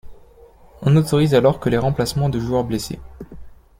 On n'autorise alors que le remplacement de joueurs blessés.